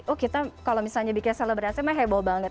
oh kita kalau misalnya bikin selebrasi mah heboh banget